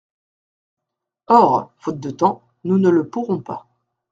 Or, faute de temps, nous ne le pourrons pas.